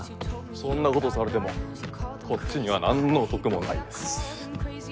そんなことされてもこっちには何の得もないです。